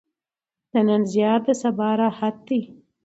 د نن زیار د سبا راحت ده.